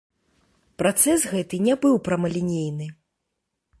Працэс гэты не быў прамалінейны.